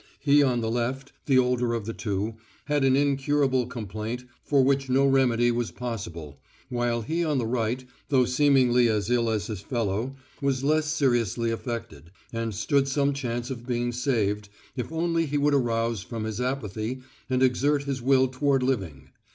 He on the left, the older of the two, had an incurable complaint for which no remedy was possible, while he on the right, though seemingly as ill as his fellow, was less seriously affected, and stood some chance of being saved if only he would arouse from his apathy and exert his will toward living.